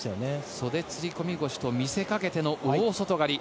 袖釣り込み腰と見せかけての、大外刈り。